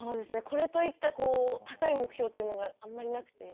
これといったこう高い目標というのがあんまりなくて。